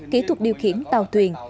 kỹ thuật điều khiển tàu thuyền